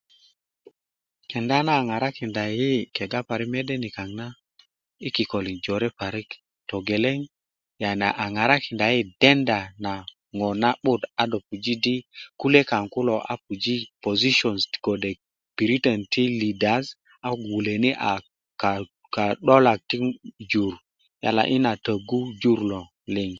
kenda na a ŋarakinsa yi kega parik mede niyaŋ na i kikolin jore parik togeleŋ yani a ŋarakinda yi denda na ŋo na 'but a dó puji di kule kaŋ kulo puji posisons kode piritan ti lidars a wuleni a ka ka'dolak ti jur yalá i na tägu jur lo liŋ